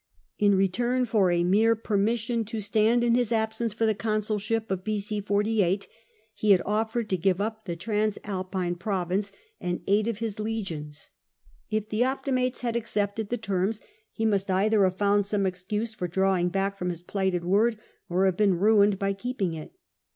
In I'eiurn for a mere permission to stand in his absence for the consulship of B.O. 48, he had offered to give up the Transalpine province and eight THE CIYIL WAR BEGINS 325 his legions. If the Optimates had accepted the terms, he must either have found some excuse for drawing back from his plighted word, or have been ruined by keeping it.